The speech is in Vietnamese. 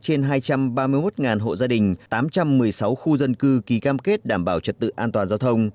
trên hai trăm ba mươi một hộ gia đình tám trăm một mươi sáu khu dân cư ký cam kết đảm bảo trật tự an toàn giao thông